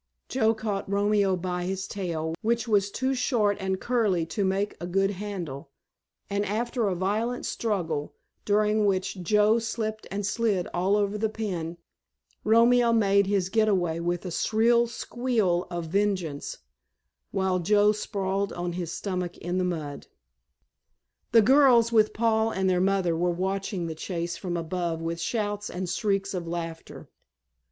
Joe caught Romeo by his tail, which was too short and curly to make a good handle, and after a violent struggle, during which Joe slipped and slid all over the pen, Romeo made his get away with a shrill squeal of vengeance, while Joe sprawled on his stomach in the mud. The girls, with Paul and their mother were watching the chase from above with shouts and shrieks of laughter.